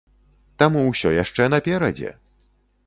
Таму ўсё яшчэ наперадзе!